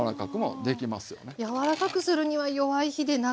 柔らかくするには弱い火で長く。